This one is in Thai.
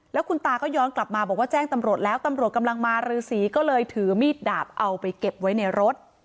แล้วคุณตาก็ย้อนกลับมาบอกว่าแจ้งตำรวจแล้วตำรวจกำลังมารือสีก็เลยถือมีดดาบเอาไปเก็บไว้ในรถ